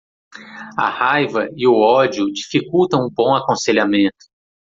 A raiva e o ódio dificultam o bom aconselhamento.